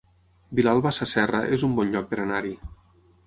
Vilalba Sasserra es un bon lloc per anar-hi